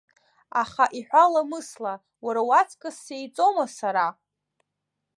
Аха иҳәа ламысла, уара уаҵкыс сеиҵома сара?